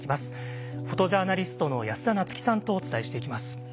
フォトジャーナリストの安田菜津紀さんとお伝えしていきます。